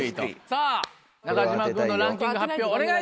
さぁ中島君のランキング発表お願いします！